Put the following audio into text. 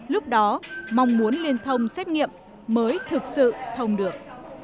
lúc đó mong muốn liên thông xét nghiệm mới thực sự thông được